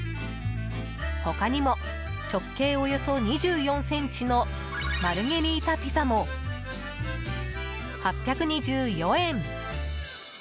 他にも、直径およそ２４ｃｍのマルゲリータピザも８２４円。